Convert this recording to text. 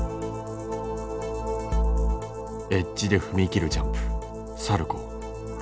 エッジで踏み切るジャンプサルコー。